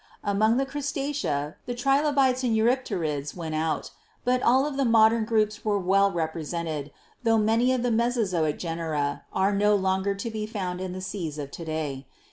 "Among the 'Crustacea,' the 'Trilobites' and 'Euryp terids' went out, but all the modern groups were well rep resented, tho many of the Mesozoic genera are no longer to be found in the seas of to day.